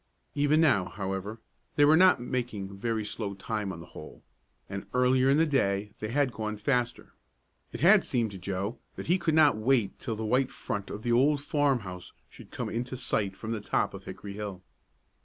Even now, however, they were not making very slow time on the whole; and earlier in the day they had gone faster. It had seemed to Joe that he could not wait till the white front of the old farmhouse should come into sight from the top of Hickory Hill.